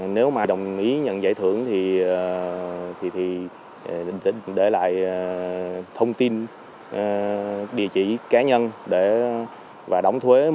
nếu đồng ý nhận giải thưởng thì để lại thông tin địa chỉ cá nhân và đóng thuê một mươi giá trị của máy